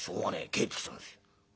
帰ってきたんですよ」。